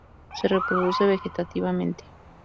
Se reproduce vegetativamente.